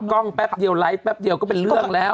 กล้องแป๊บเดียวไลค์แป๊บเดียวก็เป็นเรื่องแล้ว